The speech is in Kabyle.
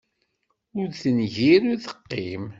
Ur tengir, ur teqqim.